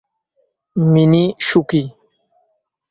Mini সুখী।